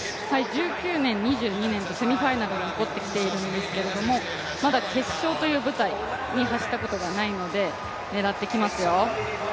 １９年、２２年とセミファイナルに残ってきているんですけれども、まだ決勝という舞台に走ったことがないので狙ってきますよ。